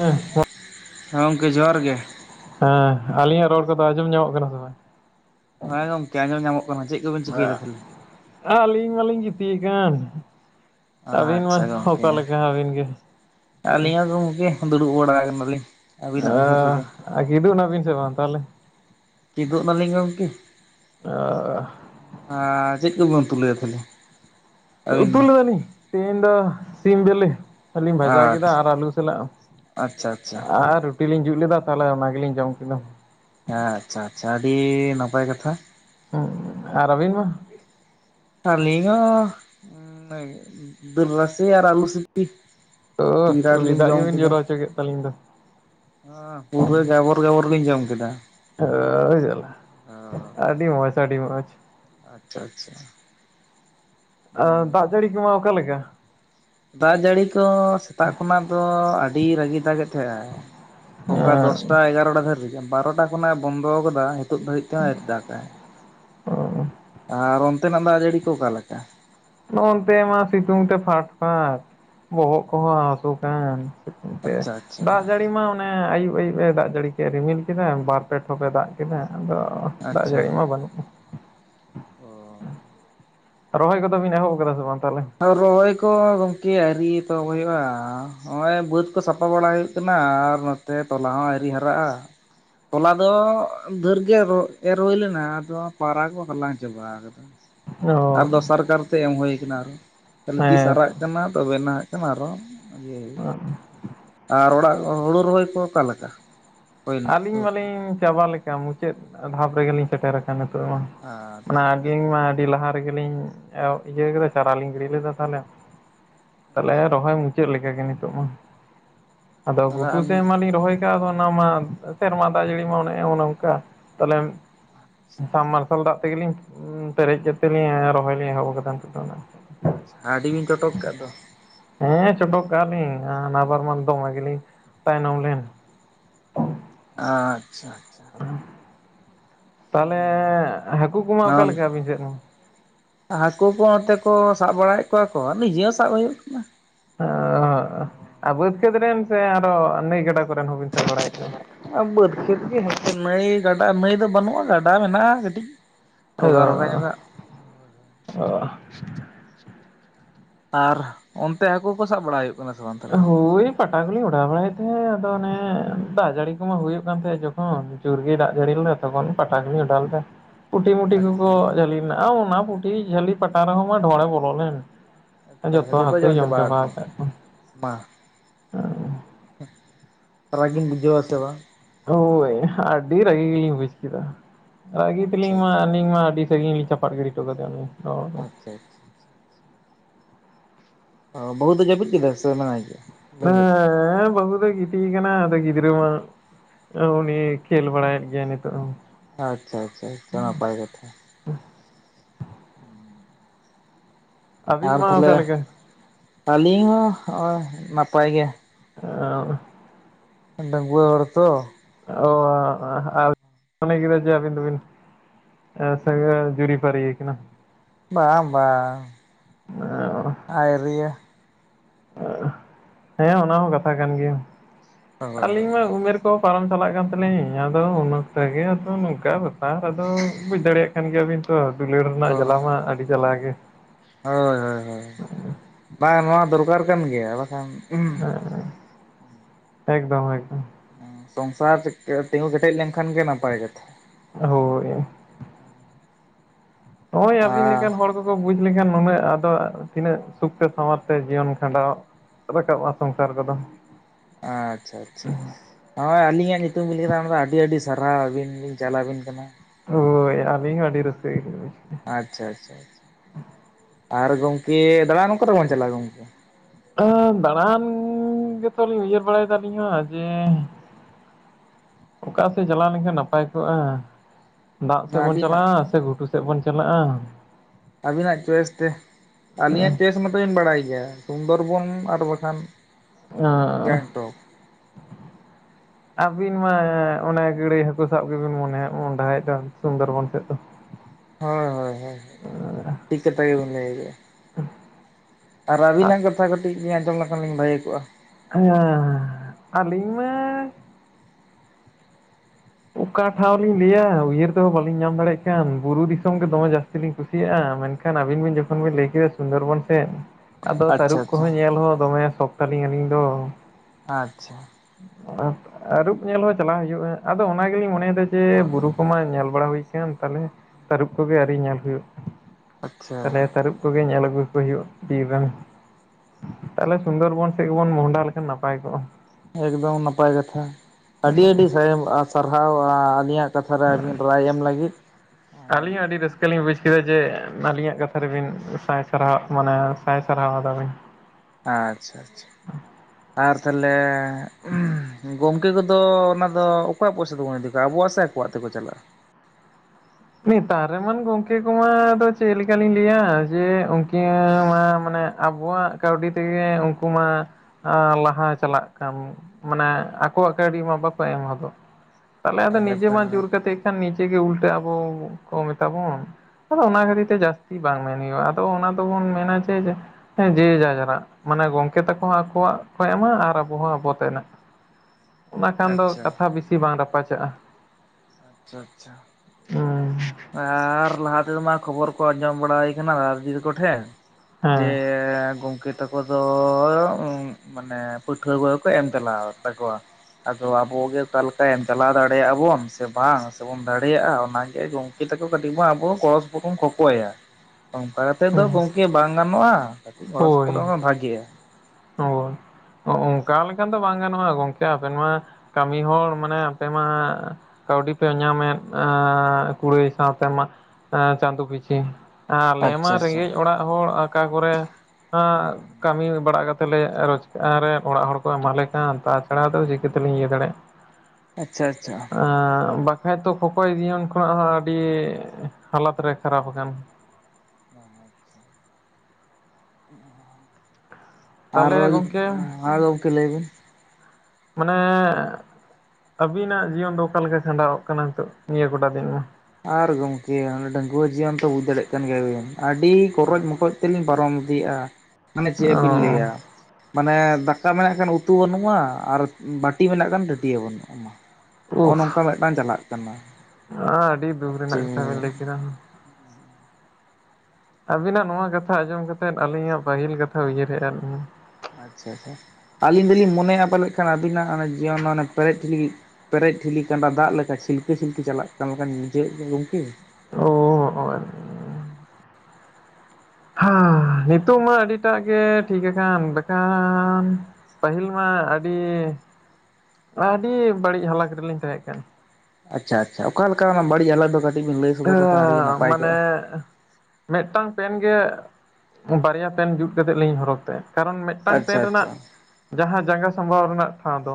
ᱦᱮᱸ ᱦᱮ ᱜᱚᱢᱠᱮ ᱡᱚᱦᱟᱨ ᱜᱮ ᱦᱮᱸ ᱟᱹᱞᱤᱧᱟᱜ ᱨᱚᱲ ᱠᱚᱫᱚ ᱟᱸᱡᱚᱢ ᱧᱟᱢᱚᱜ ᱠᱟᱱᱟ ᱥᱮ ᱵᱟᱝ? ᱦᱮᱸ ᱜᱚᱢᱠᱮ ᱟᱱᱡᱚᱢ ᱧᱟᱢᱚᱜ ᱠᱟᱱᱟ ᱪᱮᱫ ᱠᱚᱵᱮᱱ ᱪᱤᱠᱟᱹᱭ ᱮᱫᱟ ᱛᱟᱦᱚᱞᱮ? ᱟᱹᱞᱤᱧ ᱢᱟᱞᱤᱧ ᱜᱤᱛᱤ ᱟᱠᱟᱱ᱾ ᱟᱹᱵᱤᱱ ᱢᱟ ᱟᱪᱪᱷᱟ ᱜᱚᱢᱠᱮ ᱚᱠᱟ ᱞᱮᱠᱟ ᱟᱹᱵᱤᱱ ᱜᱮ ᱟᱹᱞᱤᱧ ᱦᱚᱸ ᱜᱚᱢᱠᱮ ᱫᱩᱲᱩᱵ ᱵᱟᱲᱟ ᱠᱟᱱᱟ ᱞᱤᱧ᱾ ᱟ ᱠᱤᱫᱳᱜ ᱱᱟᱵᱤᱱ ᱥᱮ ᱵᱟᱝ ᱛᱟᱦᱞᱮ? ᱠᱤᱫᱩᱜ ᱱᱟᱞᱤᱧ ᱜᱚᱢᱠᱮ᱾ ᱚᱻ ᱟ ᱪᱮᱫ ᱠᱚᱵᱚᱱ ᱩᱛᱩ ᱞᱮᱫᱟ ᱛᱟᱦᱞᱮ᱾ ᱩᱛᱩ ᱞᱮᱫᱟ ᱞᱤᱧ ᱛᱮᱦᱮᱧ ᱫᱚ ᱥᱤᱢ ᱵᱮᱞᱮ᱾ ᱟᱹᱞᱤᱧ ᱵᱷᱟᱡᱟ ᱠᱮᱫᱟ ᱟᱪᱪᱷᱟ ᱟᱨ ᱟᱹᱞᱩ ᱥᱟᱞᱟᱜ ᱟᱪᱪᱷᱟ ᱟᱪᱪᱷᱟ ᱟᱨ ᱞᱤᱧ ᱡᱩᱛ ᱞᱮᱫᱟ ᱛᱟᱦᱚᱞᱮ ᱚᱱᱟ ᱜᱮᱞᱤᱧ ᱡᱚᱢ ᱠᱮᱫᱟ᱾ ᱦᱮ ᱟᱪᱪᱷᱟ ᱟᱪᱪᱷᱟ ᱟᱹᱰᱤ ᱱᱟᱯᱟᱭ ᱠᱟᱛᱷᱟ᱾ ᱟᱨ ᱟᱹᱵᱤᱱ ᱫᱚ? ᱟᱞᱤᱧ ᱦᱚᱸ ᱫᱟᱹᱞ ᱨᱟᱥᱮ ᱟᱨ ᱟᱹᱞᱩ ᱥᱤᱯᱤ᱾ ᱚᱻ ᱵᱤᱨᱟᱴ ᱚᱞᱤ ᱞᱤᱧ ᱫᱟᱜ ᱡᱚᱢ ᱜᱮᱵᱤᱱ ᱡᱚᱨᱚ ᱦᱚᱪᱚ ᱠᱮᱫ ᱛᱟᱹᱞᱤᱧ ᱫᱚ᱾ [unintelligible] ᱦᱚᱸ ᱯᱩᱨᱟᱹ ᱜᱟᱵᱚᱨ ᱜᱟᱵᱚᱨ ᱞᱤᱧ ᱡᱚᱢ ᱠᱮᱫᱟ᱾ [unintelligible] ᱚᱻ ᱡᱟᱞᱟ ᱚ ᱟᱹᱰᱤ ᱢᱚᱡᱽ ᱟᱹᱰᱤ ᱢᱚᱡᱽ᱾ ᱟᱪᱪᱷᱟ ᱟᱪᱪᱷᱟ ᱦᱚᱸ ᱦᱩᱸ ᱫᱟᱜ ᱡᱟᱹᱲᱤ ᱠᱚᱢᱟ ᱚᱠᱟ ᱞᱮᱠᱟ? ᱫᱟᱜ ᱡᱟᱹᱲᱤ ᱠᱚ ᱥᱮᱛᱟᱜ ᱠᱷᱚᱱᱟᱜ ᱫᱚ ᱟᱹᱰᱤ ᱨᱟᱹᱜᱤ ᱫᱟᱜ ᱮᱫ ᱛᱟᱦᱮᱸᱜᱼᱟᱭ᱾ ᱚᱱᱠᱟ ᱫᱚᱥᱴᱟ ᱮᱜᱟᱨᱚᱴᱟ ᱫᱷᱟᱨᱤᱡ [unintelligible] ᱵᱟᱨᱚᱴᱟ ᱠᱷᱚᱱᱟᱜ ᱮ ᱵᱚᱱᱫᱚ ᱠᱟᱫᱟ ᱦᱤᱛᱚᱜ ᱫᱷᱟᱹᱵᱤᱡ ᱛᱮᱦᱚᱸ ᱟᱣᱨᱤᱭ ᱫᱟᱜᱼᱟᱭ᱾ ᱟᱨ ᱚᱱᱛᱮ ᱱᱟᱜ ᱫᱟᱜ ᱡᱟᱹᱲᱤ ᱠᱚ ᱚᱠᱟᱮ ᱞᱮᱠᱟ? ᱱᱚᱱᱛᱮ ᱢᱟ ᱥᱤᱛᱩᱝ ᱛᱮ ᱯᱷᱟᱴ-ᱯᱷᱟᱴ ᱵᱚᱦᱚᱜ ᱠᱚᱦᱚᱸ ᱦᱟᱹᱥᱩ ᱠᱟᱱ᱾ ᱟᱪᱪᱷᱟ [unintelligible] ᱟᱪᱪᱷᱟ ᱫᱟᱜ ᱡᱟᱹᱲᱤ ᱢᱟ ᱚᱱᱮ ᱟᱹᱭᱩᱵ-ᱟᱹᱭᱩᱵ ᱮ ᱫᱟᱜ ᱡᱟᱹᱲᱤ ᱠᱮᱫ ᱨᱤᱢᱤᱞ ᱠᱮᱫᱟ᱾ ᱵᱟᱨ ᱯᱮ ᱴᱷᱚᱯ ᱮ ᱫᱟᱜ ᱠᱮᱫᱟ᱾ ᱟᱫᱚ ᱫᱟᱜ ᱟᱪᱪᱷᱟ ᱡᱟᱹᱲᱤ ᱢᱟ ᱵᱟᱹᱱᱩᱜᱼᱟ᱾ ᱚ ᱨᱚᱦᱚᱭ ᱠᱚᱫᱚ ᱵᱤᱱ ᱮᱦᱚᱵ ᱠᱟᱫᱟ ᱥᱮ ᱵᱟᱝ ᱛᱟᱦᱚᱞᱮ? ᱨᱚᱦᱚᱭ ᱠᱚ ᱜᱚᱢᱠᱮ ᱟᱹᱨᱤ ᱛᱚ ᱦᱩᱭᱩᱜᱼᱟ᱾ ᱱᱚᱜᱼᱚᱭ ᱵᱟᱹᱫᱽ ᱠᱚ ᱥᱟᱯᱷᱟ ᱵᱟᱲᱟ ᱦᱩᱭᱩᱜ ᱠᱟᱱᱟ ᱟᱨ ᱱᱚᱛᱮ ᱛᱚᱞᱟ ᱦᱚᱸ ᱟᱹᱨᱤ ᱦᱟᱨᱟᱜᱼᱟ᱾ ᱛᱚᱞᱟ ᱫᱚ ᱫᱷᱟᱹᱨ ᱜᱮ ᱮᱻ ᱮᱨ ᱦᱳᱭ ᱞᱮᱱᱟ᱾ ᱟᱫᱚ ᱯᱟᱹᱶᱨᱟ ᱠᱚ ᱦᱟᱞᱟᱝ ᱪᱟᱵᱟᱜ ᱚᱱᱟ ᱠᱚ ᱫᱚ ᱟᱨ ᱚ ᱫᱚᱥᱟᱨ ᱠᱟᱨᱛᱮ ᱮᱢ ᱦᱳᱭ ᱠᱟᱱᱟ ᱟᱨᱦᱚᱸ ᱛᱟᱞᱦᱮ ᱛᱤᱥ ᱦᱮᱸ ᱦᱟᱨᱟᱜ ᱛᱚ ᱠᱟᱱᱟ ᱛᱚᱵᱮ ᱱᱟ [unintelligible] ᱟᱨ ᱚᱲᱟᱜ ᱦᱳᱲᱳ ᱨᱚᱦᱚᱭ ᱠᱚ ᱚᱠᱟ ᱞᱮᱠᱟ ᱟᱹᱞᱤᱧ ᱢᱟᱞᱤᱧ ᱪᱟᱵᱟ ᱞᱮᱠᱟ ᱢᱩᱪᱟᱹᱫ ᱫᱷᱟᱯ ᱨᱮᱜᱮ ᱞᱤᱧ ᱥᱮᱴᱮᱨ ᱟᱠᱟᱱᱟ ᱱᱤᱛᱚᱜ ᱢᱟ ᱟᱪᱪᱷᱟ [inaudible] ᱟᱪᱪᱷᱟ ᱟᱹᱞᱤᱧ ᱢᱟ ᱟᱹᱰᱤ ᱞᱟᱦᱟ ᱨᱮᱜᱮ ᱞᱤᱧ ᱤᱭᱟᱹ ᱠᱟᱫᱟ ᱪᱟᱨᱟ ᱞᱤᱧ ᱜᱤᱰᱤ ᱞᱮᱫᱟ ᱛᱟᱦᱞᱮ ᱛᱟᱞᱦᱮ ᱟᱪᱪᱷᱟ ᱨᱚᱦᱚᱭ ᱢᱩᱪᱟᱹᱫ ᱞᱮᱠᱟᱜᱮ ᱱᱤᱛᱚᱜ ᱢᱟ ᱟᱫᱚ ᱦᱟᱨᱟᱜ ᱜᱷᱩᱴᱩ ᱟᱢ ᱥᱮᱫ ᱢᱟᱞᱤᱧ ᱨᱚᱦᱚᱭ ᱠᱚ ᱟ ᱚᱱᱟ ᱢᱟ ᱥᱮᱨᱢᱟ ᱫᱟᱜ ᱡᱟᱹᱲᱤ ᱢᱟ ᱚᱱᱮ ᱚᱱᱠᱟ ᱛᱟᱦᱞᱮ ᱟᱪᱪᱷᱟ ᱥᱟᱢ ᱟᱪᱪᱷᱟ ᱢᱟᱨᱥᱟᱞ ᱫᱟᱜ ᱛᱮᱜᱮ ᱞᱤᱧ ᱯᱮᱨᱮᱡ ᱠᱮᱫ ᱛᱮ ᱞᱤᱧ ᱨᱚᱦᱚᱭ ᱞᱤᱧ ᱮᱦᱚᱵ ᱠᱟᱫᱟ [inaudible] ᱟᱺᱰᱤ ᱵᱤᱱ ᱪᱚᱴᱚᱠ ᱠᱟᱫ ᱫᱚ ᱦᱮᱸ ᱪᱚᱴᱚᱠ ᱠᱟᱜᱟ ᱞᱤᱧ ᱦᱟᱱᱟ ᱵᱟᱨ ᱢᱟ ᱫᱚᱢᱮ ᱜᱮᱞᱤ ᱛᱟᱭᱱᱚᱢ ᱞᱮᱱ [inaudible] ᱟᱪᱪᱷᱟ ᱟᱪᱪᱷᱟ ᱛᱟᱦᱞᱮ ᱦᱟᱹᱠᱩ ᱠᱚᱢᱟ ᱚᱠᱟ ᱞᱮᱠᱟ ᱟᱹᱵᱤᱱ ᱥᱮᱫ ᱦᱚᱸ ᱦᱟᱹᱠᱳ ᱠᱚ ᱱᱚᱛᱮ ᱠᱚ ᱥᱟᱵ ᱵᱟᱲᱟᱭᱮᱫ ᱠᱚᱣᱟ ᱠᱚ ᱱᱤᱡᱮ ᱦᱚᱸ ᱥᱟᱵ ᱦᱩᱭᱩᱜ ᱠᱟᱱᱟ [unintelligible] ᱵᱟᱹᱫᱽ ᱠᱷᱮᱛ ᱨᱮᱱ ᱥᱮ ᱟᱨᱦᱚ ᱱᱟᱹᱭ ᱜᱟᱰᱟ ᱠᱚᱨᱮᱱ ᱦᱚᱸᱵᱤᱱ ᱥᱟᱵ ᱵᱟᱲᱟᱭᱮᱫ ᱠᱚᱣᱟ ᱵᱟᱹᱫᱽ ᱠᱷᱮᱛ ᱜᱮ ᱦᱮᱱᱟᱜ ᱱᱟᱹᱭ ᱜᱟᱰᱟ ᱱᱟᱹᱭ ᱫᱚ ᱵᱟᱹᱱᱩᱜᱼᱟ ᱜᱟᱰᱟ ᱢᱮᱱᱟᱜᱼᱟ ᱠᱟᱹᱴᱤᱡ ᱨᱚᱜᱟ ᱨᱚᱜᱟ ᱧᱚᱜᱟᱜ [unintelligible] [inaudible] ᱟᱨ ᱚᱱᱛᱮ ᱦᱟᱹᱠᱩ ᱠᱚ ᱥᱟᱵ ᱵᱟᱲᱟ ᱦᱩᱭᱩᱜ ᱠᱟᱱᱟ ᱥᱮ ᱵᱟᱝ ᱛᱟᱦᱚᱞᱮ ᱦᱳᱭ ᱯᱟᱴᱟ ᱠᱚᱞᱤᱧ ᱚᱰᱟᱣ ᱵᱟᱲᱟᱭᱮᱫ ᱛᱟᱦᱮᱸᱫ ᱟᱫᱚ ᱚᱱᱮ ᱫᱟᱜ ᱡᱟᱹᱲᱤ ᱠᱚᱢᱟ ᱦᱩᱭᱩᱜ ᱠᱟᱱ ᱛᱟᱦᱮᱸᱫ ᱡᱚᱠᱷᱚᱱ ᱪᱩᱨ ᱜᱮᱭ ᱫᱟᱜ ᱡᱟᱹᱲᱤ ᱞᱮᱫᱟ ᱛᱚᱠᱷᱚᱱ ᱯᱟᱴᱟ ᱠᱚᱞᱤᱧ ᱚᱰᱟᱣ ᱞᱮᱫᱼᱟ ᱯᱩᱴᱤᱢᱩᱴᱤ ᱠᱚᱠᱚ ᱟᱪᱪᱷᱟ ᱡᱷᱟᱹᱞᱤ ᱞᱮᱱᱟ ᱚᱱᱟ ᱯᱩᱴᱤ ᱡᱷᱟᱹᱞᱤ ᱯᱟᱴᱟ ᱨᱮᱦᱚᱸ ᱢᱟ ᱰᱷᱚᱲᱮ ᱵᱚᱞᱚ ᱞᱮᱱ ᱡᱚᱛᱚ ᱦᱟᱹᱠᱩᱭ ᱡᱚᱢ ᱪᱟᱵᱟ ᱠᱟᱜ ᱠᱚᱣᱟ ᱢᱟ ᱨᱟᱹᱜᱤᱢ ᱵᱩᱡᱷᱟᱹᱣ ᱟᱥᱮ ᱵᱟᱝ ᱦᱳᱭ ᱟᱹᱰᱤ ᱨᱟᱹᱜᱤ ᱜᱮᱞᱤᱧ ᱵᱩᱡᱽ ᱠᱮᱫᱟ ᱨᱟᱹᱜᱤ ᱟᱪᱪᱷᱟ ᱛᱮᱞᱤᱧ ᱢᱟ ᱟᱪᱪᱷᱟ ᱟᱹᱞᱤᱧ ᱢᱟ ᱟᱹᱰᱤ ᱥᱟᱹᱜᱤᱧ ᱞᱤᱱ ᱪᱟᱯᱟᱜ ᱜᱤᱰᱤᱴᱚ ᱠᱟᱫᱟᱜᱞᱤᱧ ᱟᱪᱪᱷᱟ ᱟᱪᱷᱟ ᱚ ᱵᱟᱦᱩ ᱫᱚ ᱡᱟᱹᱯᱤᱫ ᱠᱮᱫᱟᱭ ᱥᱮ ᱢᱮᱱᱟᱭ ᱜᱮᱭᱟ ᱦᱮᱸᱻ ᱵᱟᱹᱵᱩ ᱫᱚ ᱜᱤ ᱛᱤᱡ ᱠᱟᱱᱟ ᱟᱫᱚ ᱜᱤᱫᱽᱨᱟᱹ ᱢᱟ ᱩᱱᱤ ᱠᱷᱮᱞ ᱵᱟᱲᱟᱭᱮᱫ ᱜᱮᱭᱟᱭ ᱱᱤᱛᱚᱜ ᱦᱚᱸ ᱟᱪᱪᱷᱟ ᱟᱪᱪᱷᱟ ᱱᱟᱯᱟᱭ ᱠᱟᱛᱷᱟ [inaudible] ᱟᱹᱵᱤᱱ ᱟᱨ ᱢᱟ ᱚᱠᱟ ᱛᱟᱦᱞᱮ ᱞᱮᱠᱟ ᱟᱹᱞᱤᱧ ᱦᱚᱸ ᱦᱚᱸᱜᱼᱚᱭ ᱱᱟᱯᱟᱭ ᱜᱮ ᱚᱸ ᱰᱟᱺᱜᱩᱣᱟ ᱦᱚᱲ ᱛᱚ ᱚ [unintelligible] ᱡᱮ ᱟᱵᱤᱱ ᱫᱚᱵᱤᱱ ᱥᱮᱜᱮ ᱡᱩᱨᱤ ᱯᱟᱹᱨᱤ ᱠᱤᱱᱟ ᱵᱟᱝ ᱵᱟᱝ ᱟᱭᱨᱤᱭᱟ ᱦᱮᱸ ᱚᱱᱟ ᱦᱚᱸ ᱠᱟᱛᱷᱟ ᱠᱟᱱ ᱜᱮᱭᱟ ᱦᱳᱭ ᱦᱳᱭ ᱟᱹᱞᱤᱧ ᱢᱟ ᱩᱢᱮᱨ ᱠᱚ ᱯᱟᱨᱚᱢ ᱪᱟᱞᱟᱜ ᱠᱟᱱ ᱛᱟᱹᱞᱤᱧ ᱟᱫᱚ ᱩᱱ ᱚᱠᱛᱮ ᱜᱮ ᱛᱚ ᱱᱚᱝᱠᱟ ᱵᱮᱯᱟᱨ ᱟᱫᱚ ᱵᱩᱡᱽ ᱫᱟᱲᱮᱭᱟᱜ ᱠᱟᱱᱟ ᱠᱟᱱ ᱜᱮᱭᱟᱵᱤᱱ ᱛᱚ ᱫᱩᱞᱟᱹᱲ ᱨᱮᱱᱟᱜ ᱦᱳᱭ ᱡᱟᱞᱟ ᱢᱟ ᱟᱹᱰᱤ ᱡᱟᱞᱟ ᱜᱮ ᱦᱳᱭ ᱦᱳᱭ ᱦᱳᱭ ᱵᱟᱝ ᱱᱚᱣᱟ ᱫᱚᱨᱠᱟᱨ ᱠᱟᱱ ᱜᱮᱭᱟ ᱵᱟᱠᱷᱟᱱ ᱮ ᱮᱠᱫᱚᱢ ᱮᱠᱫᱚᱢ ᱥᱚᱝᱥᱟᱨ ᱛᱤᱸᱜᱩ ᱠᱮᱴᱮᱡ ᱞᱮᱱ ᱠᱷᱟᱱ ᱜᱮ ᱱᱟᱯᱟᱭ ᱠᱟᱛᱷᱟ ᱦᱳᱭ ᱱᱚᱜᱼᱚᱭ ᱟᱹᱵᱤᱱ ᱟᱨ ᱞᱮᱠᱟᱱ ᱦᱚᱲ ᱠᱚ ᱠᱚ ᱵᱩᱡ ᱞᱮᱠᱷᱟᱱ ᱱᱩᱱᱟᱹᱜ ᱟᱫᱚ ᱛᱤᱱᱟᱹᱜ ᱥᱩᱠ ᱛᱮ ᱥᱟᱶᱟᱨ ᱛᱮ ᱡᱤᱭᱚᱱ ᱠᱷᱟᱸᱰᱟᱣ ᱨᱟᱠᱟᱵᱼᱟ ᱥᱚᱝᱥᱟᱨ ᱠᱚᱫᱚ ᱟᱪᱪᱷᱟ ᱟᱪᱷᱟ ᱱᱚᱜᱼᱚᱭ ᱟᱹᱞᱤᱧᱟᱜ ᱧᱩᱛᱩᱢ ᱵᱤᱱ ᱞᱟᱹᱭ ᱫᱟ ᱚᱱᱟ ᱫᱚ ᱟᱹᱰᱤ ᱟᱹᱰᱤ ᱥᱟᱨᱦᱟᱣ ᱟᱹᱵᱤᱱ ᱞᱤᱧ ᱪᱟᱞᱟᱵᱤᱱ ᱠᱟᱱᱟ ᱦᱳᱭ ᱟᱹᱞᱤᱧ ᱦᱚᱸ ᱟᱹᱰᱤ ᱨᱟᱹᱥᱠᱟᱹ ᱜᱮᱞᱮᱧ ᱵᱩᱪ ᱟᱪᱪᱷᱟ ᱟᱪᱪᱷᱟ ᱪᱟ ᱟᱨ ᱜᱚᱝᱠᱮ ᱫᱟᱲᱟᱱ ᱚᱝᱠᱟ ᱛᱮᱵᱚᱱ ᱪᱟᱞᱟᱜᱼᱟ ᱜᱚᱝᱠᱮ? ᱚᱸ ᱫᱟᱬᱟᱱ ᱜᱮᱛᱚ ᱞᱤᱧ ᱩᱭᱦᱟᱹᱨ ᱵᱟᱲᱟᱭᱫᱟ ᱟᱞᱤᱧ ᱦᱚᱸ ᱡᱮ ᱚᱠᱟ ᱥᱮᱜ ᱪᱟᱞᱟᱣ ᱞᱮᱱᱠᱷᱟᱱ ᱱᱟᱯᱟᱭ ᱠᱚᱜᱼᱟ? ᱫᱟᱜ ᱥᱮᱜ ᱱᱚᱣᱟ ᱵᱚᱱ ᱟᱹᱵᱤᱱᱟᱜ ᱪᱟᱞᱟᱜᱼᱟ ᱥᱮ ᱜᱷᱩᱴᱩ ᱥᱮ ᱥᱮᱜ ᱵᱚᱱ ᱪᱟᱞᱟᱜᱼᱟ᱾ ᱟᱹᱵᱤᱱᱟᱜ ᱪᱚᱭᱮᱥ ᱛᱮ ᱟᱹᱞᱤᱧᱟᱜ ᱪᱚᱭᱮᱥ ᱢᱟᱛᱚ ᱵᱤᱱ ᱵᱟᱲᱟᱭ ᱜᱮᱭᱟ ᱥᱩᱱᱫᱚᱨ ᱵᱚᱱ ᱟᱨ ᱵᱟᱠᱷᱟᱱ ᱚᱸ ᱜᱮᱝᱴᱚᱠ [inaudible] ᱟᱹᱵᱤᱱ ᱢᱟ ᱚᱱᱮ ᱜᱟᱹᱲᱟᱹᱭ ᱦᱟᱹᱠᱩ ᱥᱟᱵ ᱜᱮᱵᱤᱱ ᱢᱚᱱᱮᱭᱮᱜ ᱢᱚᱱᱰᱦᱟᱭᱮᱜ ᱫᱚ ᱥᱩᱱᱫᱚᱨᱵᱚᱱ ᱥᱮᱜ ᱫᱚ᱾ ᱦᱳᱭ ᱦᱳᱭ ᱦᱳᱭ ᱴᱷᱤᱠ ᱠᱟᱛᱷᱟ ᱜᱮᱵᱤᱱ ᱞᱟᱹᱭ ᱠᱟᱜᱼᱟ᱾ ᱟᱨ ᱟᱹᱵᱤᱱᱟᱜ ᱠᱟᱛᱷᱟ ᱠᱟᱹᱴᱤᱡ ᱞᱤᱧ ᱟᱸᱡᱚᱢ ᱞᱮᱠᱷᱟᱱ ᱞᱤᱧ ᱵᱷᱟᱹᱜᱤ ᱠᱚᱜᱼᱟ᱾ ᱦᱮᱸ ᱟᱹᱞᱤᱧ ᱢᱟ ᱚᱠᱟ ᱴᱷᱟᱶ ᱞᱤᱧ ᱞᱟᱹᱭᱟ ᱩᱭᱦᱟᱹᱨ ᱛᱮᱦᱚᱸ ᱵᱟᱹᱞᱤᱧ ᱧᱟᱢ ᱫᱟᱲᱮᱭᱟᱜ ᱠᱟᱱ ᱵᱩᱨᱩ ᱫᱤᱥᱚᱢ ᱜᱮ ᱫᱚᱢᱮ ᱡᱟᱹᱥᱛᱤ ᱞᱤᱧ ᱠᱩᱥᱤᱭᱟᱜᱼᱟ ᱢᱮᱱᱠᱷᱟᱱ ᱟᱹᱵᱤᱱ ᱵᱤᱱ ᱡᱚᱠᱷᱚᱱ ᱵᱤᱱ ᱞᱟᱹᱭ ᱠᱮᱫᱟ ᱥᱩᱱᱫᱚᱨᱵᱚᱱ ᱥᱮᱜ ᱟᱫᱚ ᱟᱪᱪᱷᱟ ᱛᱟᱹᱨᱩᱵ ᱟᱪᱪᱷᱟ ᱠᱚᱦᱚᱸ ᱧᱮᱞ ᱦᱚᱸ ᱫᱚᱢᱮ ᱥᱚᱠ ᱛᱟᱞᱤᱧ ᱟᱹᱞᱤᱧ ᱫᱚ᱾ ᱟᱪᱪᱷᱟ ᱟ ᱟᱹᱨᱩᱵ ᱧᱮᱞ ᱦᱚᱸ ᱪᱟᱞᱟᱜ ᱦᱩᱭᱩᱜᱼᱟ ᱟᱫᱚ ᱚᱱᱟ ᱜᱮᱞᱤᱧ ᱢᱚᱱᱮᱭᱮᱫᱟ ᱥᱮ ᱦᱳᱭ ᱵᱩᱨᱩ ᱦᱳᱭ ᱠᱚᱢᱟ ᱧᱮᱞ ᱵᱟᱲᱟ ᱦᱩᱭᱠᱟᱱ ᱛᱟᱦᱞᱮ ᱛᱟᱹᱨᱩᱯ ᱠᱚᱜᱮ ᱟᱹᱣᱨᱤ ᱧᱮᱞ ᱦᱩᱭᱩᱜ ᱟᱪᱪᱷᱟ ᱛᱟᱦᱞᱮ ᱛᱟᱹᱨᱩᱵ ᱠᱚᱜᱮ ᱧᱮᱞ ᱟᱹᱜᱩ ᱠᱚ ᱦᱩᱭᱩᱜ ᱵᱤᱨ ᱨᱤᱱ ᱛᱟᱞᱦᱮ ᱥᱩᱱᱫᱚᱨ ᱵᱚᱱ ᱥᱮᱜ ᱜᱮᱵᱚᱱ ᱢᱚᱸᱦᱰᱟ ᱞᱮᱠᱷᱟᱱ ᱱᱟᱯᱟᱭ ᱠᱚᱜᱼᱟ᱾ ᱮᱠᱫᱚᱢ ᱱᱟᱯᱟᱭ ᱠᱟᱛᱷᱟ ᱟᱹᱰᱤ ᱟᱹᱰᱤ ᱥᱟᱭᱚᱢ ᱟ ᱥᱟᱨᱦᱟᱣ ᱟᱹᱞᱤᱧᱟᱜ ᱠᱟᱛᱷᱟ ᱨᱮ ᱟᱵᱤᱱ ᱨᱟᱭ ᱮᱢ ᱞᱟᱹᱜᱤᱫ᱾ ᱟᱹᱞᱤᱧ ᱦᱚᱸ ᱟᱹᱰᱤ ᱨᱟᱹᱥᱠᱟᱹ ᱞᱤᱧ ᱵᱩᱡ ᱠᱮᱫᱟ ᱡᱮ ᱟᱹᱞᱤᱧᱟᱜ ᱠᱟᱛᱷᱟ ᱨᱮᱵᱤᱱ ᱥᱟᱭ ᱥᱟᱨᱦᱟᱣᱟᱜ ᱢᱟᱱᱮ ᱥᱟᱭ ᱥᱟᱨᱦᱟᱣ ᱟᱫᱟᱵᱤᱱ᱾ ᱟᱪᱪᱷᱟ ᱟᱪᱪᱷᱟ ᱟᱨ ᱛᱟᱦᱞᱮ ᱜᱚᱝᱠᱮ ᱠᱚᱫᱚ ᱚᱱᱟ ᱫᱚ ᱚᱠᱟᱭᱟᱜ ᱯᱚᱭᱥᱟ ᱛᱮᱵᱚᱱ ᱤᱫᱤ ᱠᱚᱣᱟ ᱟᱵᱚᱣᱟᱜ ᱥᱮ ᱟ ᱠᱚᱣᱟᱜ ᱛᱮᱠᱚ ᱪᱟᱞᱟᱜᱼᱟ? ᱱᱮᱛᱟᱨ ᱮᱢᱟᱱ ᱜᱚᱝᱠᱮ ᱠᱚᱢᱟ ᱫᱚ ᱪᱮᱜ ᱞᱮᱠᱟᱞᱤᱧ ᱞᱟᱹᱭᱟ ᱡᱮ ᱠᱮᱸ ᱢᱟ ᱢᱟᱱᱮ ᱟᱵᱚᱣᱟᱜ ᱠᱟᱹᱣᱰᱤ ᱛᱮᱜᱮ ᱩᱝᱠᱩ ᱢᱟ ᱟ ᱞᱟᱦᱟ ᱪᱟᱞᱟᱜ ᱠᱟᱱ ᱢᱟᱱᱮ ᱟᱠᱚᱣᱟᱜ ᱠᱟᱹᱣᱰᱤ ᱢᱟ ᱵᱟᱠᱚ ᱮᱢ ᱦᱚᱫᱚᱜ᱾ ᱛᱟᱦᱞᱮ ᱟᱫᱚ ᱟᱪᱪᱷᱟ ᱱᱤᱡᱮ ᱢᱟ ᱛᱟᱦᱚᱞᱮ ᱡᱳᱨ ᱠᱟᱛᱮᱜ ᱠᱷᱟᱱ ᱱᱤᱡᱮ ᱜᱮ ᱩᱞᱴᱟᱹ ᱟᱵᱚ ᱠᱚ ᱢᱮᱛᱟᱵᱚᱱ᱾ ᱟᱫᱚ ᱚᱱᱟ ᱠᱷᱟᱹᱛᱤᱨ ᱛᱮ ᱡᱟᱹᱥᱛᱤ ᱵᱟᱝ ᱢᱮᱱ ᱦᱩᱭᱩᱜᱼᱟ᱾ ᱟᱫᱚ ᱚᱱᱟ ᱫᱚᱵᱚᱱ ᱢᱮᱱᱟ ᱡᱮ ᱦᱮᱸ ᱡᱮ ᱡᱟᱼᱡᱟᱨᱟᱜ ᱢᱟᱱᱮ ᱜᱚᱝᱠᱮ ᱛᱟᱠᱚ ᱦᱚᱸ ᱟᱠᱚᱣᱟᱜ ᱠᱚ ᱮᱢᱟ ᱟᱨ ᱟᱵᱚ ᱦᱚᱸ ᱟᱵᱚ ᱛᱮᱱᱟᱜ᱾ [inaudible] ᱵᱟᱠᱷᱟᱱ ᱫᱚ ᱟᱪᱪᱷᱟ ᱠᱟᱛᱷᱟ ᱵᱮᱥᱤ ᱵᱟᱝ ᱨᱟᱯᱟᱪᱟᱜᱼᱟ᱾ ᱟᱪᱪᱷᱟ ᱟᱪᱪᱷᱟ ᱩᱸ ᱟᱨ ᱞᱟᱦᱟ ᱛᱮᱫᱚ ᱢᱟ ᱠᱷᱚᱵᱚᱨ ᱠᱚ ᱟᱸᱡᱚᱢ ᱵᱟᱲᱟ ᱦᱩᱭ ᱠᱟᱱᱟ ᱫᱟᱫᱟ ᱫᱤᱫᱤ ᱛᱟᱠᱚᱴᱷᱮᱱ ᱡᱮ ᱦᱮᱸ ᱮ ᱜᱚᱝᱠᱮ ᱛᱟᱠᱚ ᱫᱚ ᱩᱝ ᱢᱟᱱᱮ ᱯᱟᱹᱴᱷᱩᱣᱟᱹ ᱠᱚᱜᱮ ᱠᱚ ᱮᱢ ᱪᱞᱟᱣ ᱛᱟᱠᱚᱣᱟ᱾ ᱟᱫᱚ ᱟᱵᱚ ᱜᱮ ᱚᱠᱟᱞᱮᱠᱟ ᱮᱢ ᱪᱟᱞᱟᱣ ᱫᱟᱲᱮᱭᱟᱜᱼᱟ ᱵᱚᱱ ᱥᱮ ᱵᱟᱝ ᱥᱮᱵᱚᱱ ᱫᱟᱲᱮᱭᱟᱜᱼᱟ ᱚᱱᱟᱜ ᱜᱚᱝ ᱠᱮ ᱛᱟᱠᱚ ᱠᱟᱹᱴᱤᱡ ᱵᱚ ᱟᱵᱚ ᱜᱚᱲᱚ ᱥᱚᱯᱚᱜ ᱵᱚᱱ ᱠᱚᱠᱚᱭᱟ ᱚᱝᱠᱟ ᱠᱟᱛᱮᱜ ᱫᱚ ᱦᱩᱸ ᱜᱚᱝᱠᱮ ᱵᱟᱝ ᱜᱟᱱᱚᱜᱼᱟ᱾ ᱠᱟᱹᱴᱤᱡ ᱜᱚᱲᱚ ᱥᱚᱯᱚᱦᱚᱫ ᱦᱳᱭ ᱦᱚᱸ ᱵᱷᱟᱜᱮᱭᱟ᱾ ᱦᱳᱭ ᱚᱱᱠᱟ ᱞᱮᱠᱷᱟᱱ ᱫᱚ ᱵᱟᱝ ᱜᱟᱱᱚᱜᱼᱟ ᱜᱚᱝᱠᱮ ᱟᱵᱮᱱ ᱢᱟ ᱠᱟᱹᱢᱤ ᱦᱚᱲ ᱢᱟᱱᱮ ᱦᱟᱱᱛᱮ ᱢᱟ ᱠᱟᱹᱣᱰᱤ ᱯᱮ ᱧᱟᱢᱮᱜ ᱮᱸ ᱠᱩᱲᱟᱹᱭ ᱥᱟᱶᱛᱮᱢᱟ ᱮᱸ ᱪᱟᱸᱫᱳ ᱯᱤᱪᱷᱤ᱾ ᱟᱞᱮ ᱟᱪᱪᱷᱟ ᱢᱟ ᱟᱪᱪᱷᱟ ᱨᱮᱸᱜᱮᱡ ᱚᱲᱟᱜ ᱦᱚ ᱟᱠᱟ ᱠᱚᱨᱮ ᱦᱟᱸ ᱠᱟᱹᱢᱤ ᱵᱟᱲᱟ ᱠᱟᱛᱮᱜ ᱞᱮ ᱨᱳᱡ ᱟᱨᱟ᱾ ᱚᱲᱟᱜ ᱦᱚᱲ ᱠᱚ ᱮᱢᱟᱞᱮ ᱠᱟᱱᱟᱱ ᱛᱟ ᱪᱷᱟᱲᱟ ᱫᱚ ᱪᱤᱠᱟᱹᱛ ᱮᱞᱤᱧ ᱤᱭᱟᱹ ᱫᱟᱲᱮᱜᱼᱟ᱾ ᱟᱪᱪᱷᱟ ᱟᱪᱪᱷᱟ ᱟᱸ ᱵᱟᱠ ᱦᱮᱸ ᱛᱚ ᱠᱷᱚᱠᱚᱭ ᱡᱤᱭᱚᱱ ᱠᱷᱚᱱᱟᱜ ᱦᱚᱸ ᱟᱹᱰᱤ ᱦᱟᱞᱟᱛ ᱨᱮ ᱠᱷᱟᱨᱟᱯ ᱟᱠᱟᱱ ᱚᱸ ᱟᱪᱪᱷᱟ ᱛᱟᱦᱚᱞᱮ ᱜᱚᱝᱠᱮ ᱟᱨ ᱜᱚᱢᱠᱮ ᱞᱟᱹᱭ ᱵᱤᱱ ᱢᱟᱱᱮ ᱟᱹᱵᱤᱱᱟᱜ ᱡᱤᱭᱚᱱ ᱫᱚ ᱚᱠᱟᱞᱮᱠᱟ ᱠᱷᱟᱸᱰᱟᱣᱚᱜ ᱠᱟᱱᱟ ᱱᱤᱛᱚᱜ ᱱᱤᱭᱟᱹ ᱜᱚᱴᱟ ᱫᱤᱱ ᱟᱨ ᱜᱚᱢᱠᱮ ᱰᱺᱜᱩᱣᱟᱹ ᱡᱤᱭᱚᱱ ᱛᱚ ᱵᱩᱡ ᱫᱟᱲᱮᱭᱟᱜ ᱠᱟᱱ ᱜᱮᱭᱟᱵᱤᱱ ᱟᱹᱰᱤ ᱠᱚᱨᱚᱡ ᱢᱚᱴᱚᱡ ᱛᱮᱞᱤᱧ ᱯᱟᱨᱚᱢ ᱤᱫᱤᱭᱮᱜᱼᱟ ᱢᱟᱱᱮ ᱪᱮᱫ ᱵᱤᱱ ᱚ ᱞᱟᱹᱭᱟ ᱢᱟᱱᱮ ᱫᱟᱠᱟ ᱢᱮᱱᱟᱜ ᱠᱷᱟᱱ ᱩᱛᱩ ᱵᱟᱹᱱᱩᱜᱼᱟ ᱟᱨ ᱵᱟᱹᱴᱤ ᱢᱮᱱᱟᱜ ᱠᱷᱟᱱ ᱴᱟᱹᱴᱭᱟᱹ ᱵᱟᱹᱱᱩᱜ ᱢᱟ ᱱᱚᱜᱼᱚ ᱱᱚᱝᱠᱟ ᱢᱤᱫᱴᱟᱝ ᱪᱟᱞᱟᱜ ᱠᱟᱱᱟ ᱟ ᱟᱹᱰᱤ ᱫᱩᱠ ᱨᱮᱱᱟᱜ ᱡᱮ ᱠᱟᱛᱷᱟ ᱵᱮᱱ ᱞᱟᱹᱭ ᱠᱮᱫᱟ ᱦᱚ ᱟᱹᱵᱤᱱᱟᱜ ᱱᱚᱣᱟ ᱠᱟᱛᱷᱟ ᱟᱸᱡᱚᱢ ᱠᱟᱛᱮᱫ ᱟᱹᱞᱤᱧᱟᱜ ᱯᱟᱹᱦᱤᱞ ᱠᱟᱛᱷᱟ ᱩᱭᱦᱟᱹᱨᱦᱮᱫᱼᱟᱜ ᱞᱤᱧᱟ ᱟᱪᱪᱷᱟ ᱟᱪᱪᱷᱟ ᱟᱹᱞᱤᱧ ᱫᱚᱞᱤᱧ ᱢᱚᱱᱮᱭᱟ ᱯᱟᱞᱮᱫ ᱠᱷᱟᱱ ᱟᱵᱤᱱᱟᱜ ᱚᱱᱮ ᱡᱤᱭᱚᱱᱚᱱᱮ ᱯᱮᱨᱮᱡ ᱴᱷᱮᱞᱤᱜ ᱯᱮᱨᱮᱡ ᱴᱷᱤᱞᱤ ᱠᱟᱸᱰᱟ ᱫᱟᱜ ᱞᱮᱠᱟ ᱪᱷᱤᱞᱠᱟᱹ ᱪᱷᱤᱞᱠᱟᱹ ᱪᱟᱞᱟᱜ ᱠᱟᱱ ᱞᱮᱠᱟᱧ ᱵᱩᱡᱷᱟᱹᱣ ᱫᱚ ᱜᱚᱢᱠᱮ ᱚ ᱦᱟᱸ ᱱᱤᱛᱚᱜ ᱢᱟ ᱟᱹᱰᱤᱴᱟᱜ ᱜᱮ ᱴᱷᱤᱠ ᱟᱠᱟᱱ ᱵᱟᱠᱷᱟᱱ ᱯᱟᱹᱦᱤᱞ ᱢᱟ ᱟᱹᱰᱤ ᱟᱹᱰᱤ ᱵᱟᱹᱲᱤᱡ ᱦᱟᱞᱠ ᱨᱮᱞᱤᱧ ᱛᱟᱦᱮᱸ ᱠᱟᱱᱟ ᱟᱪᱪᱷᱟ ᱟᱪᱪᱷᱟ ᱚᱠᱟ ᱞᱮᱠᱟ ᱚᱱᱟ ᱵᱟᱹᱲᱤᱡ ᱟᱞᱟᱫᱟ ᱫᱚ ᱠᱟᱹᱴᱤᱡᱵᱤᱱ ᱞᱟᱹᱭ ᱥᱚᱫᱚᱨ ᱞᱮᱠᱷᱟᱱ ᱟᱹᱰᱤ ᱜᱮ ᱟ ᱱᱟᱯᱟᱭ ᱢᱟᱱᱮ ᱠᱚᱜᱼᱟ ᱢᱤᱫᱴᱟᱝ ᱯᱮᱱ ᱜᱮ ᱵᱟᱨᱭᱟ ᱯᱮᱱ ᱡᱩᱛ ᱠᱟᱛᱮᱫ ᱞᱤᱧ ᱦᱚᱨᱚᱜ ᱛᱮ ᱠᱟᱨᱚᱱ ᱢᱤᱫᱴᱟᱝ ᱟᱪᱪᱷᱟ ᱯᱮᱱ ᱟᱪᱪᱷᱟ ᱨᱮᱱᱟᱜ ᱡᱟᱦᱟᱸ ᱡᱟᱸᱜᱟ ᱥᱟᱢᱵᱟᱣ ᱨᱮᱱᱟᱜ ᱴᱷᱟᱶ ᱫᱚ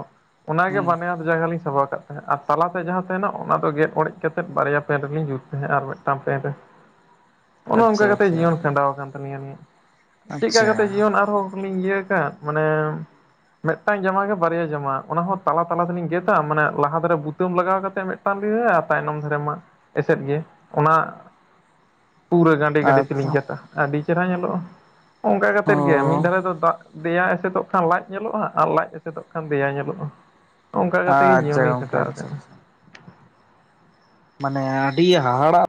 ᱚᱱᱟᱜᱮ ᱦᱩᱸ ᱵᱟᱱᱭᱟᱨ ᱡᱟᱸᱜᱟ ᱞᱤᱧ ᱥᱟᱵᱟ ᱟᱠᱟᱫ ᱛᱟᱦᱮᱸᱫ ᱟᱨ ᱛᱟᱞᱟᱛᱮ ᱡᱟᱦᱟᱸ ᱛᱟᱦᱮᱱᱟ ᱚᱱᱟ ᱫᱚ ᱜᱮᱫ ᱚᱲᱮᱡ ᱠᱟᱛᱮᱫ ᱵᱟᱨᱭᱟ ᱯᱮᱱ ᱨᱮᱜᱤᱧ ᱡᱩᱛ ᱛᱟᱦᱮᱸᱫ ᱟᱨ ᱢᱤᱫᱴᱟᱱ ᱯᱮᱱᱴ ᱨᱮ ᱚᱱ ᱟᱪᱪᱷᱟ ᱚᱱᱠᱟ ᱠᱟᱛᱮᱜ ᱟᱪᱪᱷᱟ ᱡᱤᱭᱚᱱ ᱠᱷᱟᱸᱰᱟᱣ ᱟᱠᱟᱱ ᱛᱟᱞᱤᱧᱟ ᱟᱞᱤᱧᱟᱜ ᱪᱮᱫ ᱞᱮᱠᱟ ᱟᱪᱪᱷᱟ ᱠᱟᱛᱮᱫ ᱡᱤᱭᱚᱱ ᱟᱨᱦᱚᱸᱞᱤᱧ ᱤᱭᱟᱹ ᱟᱠᱟᱫ ᱢᱟᱱᱮ ᱢᱤᱫᱴᱟᱝ ᱡᱟᱢᱟ ᱜᱮ ᱵᱟᱨᱭᱟ ᱡᱟᱢᱟ ᱚᱱᱟ ᱦᱚᱸ ᱛᱟᱞᱟ ᱛᱟᱞᱟ ᱛᱮᱞᱤᱧ ᱜᱮᱫᱟᱹ ᱢᱟᱱᱮ ᱞᱟᱦᱟ ᱫᱷᱟᱨᱮ ᱵᱩᱛᱟᱹᱢ ᱞᱟᱜᱟᱣ ᱠᱟᱛᱮᱫ ᱢᱤᱫ ᱯᱟᱞᱤ ᱦᱮᱸ ᱛᱟᱭᱱᱚᱢ ᱫᱷᱟᱨᱮ ᱢᱟ ᱮᱥᱮᱫ ᱜᱮ ᱚᱱᱟ ᱯᱩᱨᱟᱹ ᱜᱟᱸᱰᱮ ᱜᱟᱸᱰᱮ ᱛᱮᱞᱤᱧ ᱟᱪᱪᱷᱟ ᱪᱟᱞᱟᱜᱼ ᱟ ᱟᱹᱰᱤ ᱪᱮᱨᱦᱨᱟ ᱧᱮᱞᱚᱜᱼᱟ ᱚᱝᱠᱟ ᱠᱟᱛᱮᱫ ᱜᱮ ᱢᱤᱫ ᱚ ᱫᱷᱟᱨᱮ ᱫᱚ ᱫᱟᱜ ᱫᱮᱭᱟ ᱮᱥᱮᱫᱚᱜ ᱠᱷᱟᱱ ᱞᱟᱡ ᱧᱮᱞᱚᱜᱼᱟ ᱟᱨ ᱞᱟᱡ ᱮᱥᱮᱫᱚᱜ ᱠᱷᱟᱱ ᱫᱮᱭᱟ ᱧᱮᱞᱚᱜᱼᱟ ᱚᱝᱠᱟ ᱠᱟᱛᱮᱜ ᱜᱮ ᱟᱪᱪᱷᱟ ᱡᱤᱭᱚᱱᱤᱧ ᱜᱚᱝᱠᱮ ᱠᱷᱟᱴᱟᱣᱮᱜ ᱟᱪᱪᱷᱟ ᱛᱟᱸᱦᱮᱱᱟ ᱟᱪᱪᱷᱟ ᱢᱟᱱᱮ ᱟᱹᱰᱤ ᱦᱟᱦᱟᱲᱟᱜ